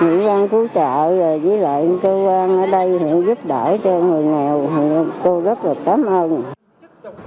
nhờ dịp tết này nguyễn văn cứu trợ với lại cơ quan ở đây cũng giúp đỡ cho người